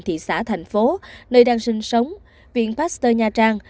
thị xã thành phố nơi đang sinh sống viện pasteur nha trang